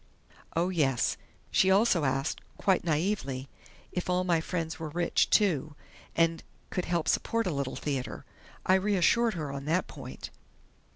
Oh, yes, she also asked, quite naïvely, if all my friends were rich, too, and could help support a Little Theater. I reassured her on that point."